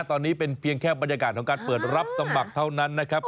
ตอนนี้เป็นเพียงแค่บรรยากาศของการเปิดรับสมัครเท่านั้นนะครับ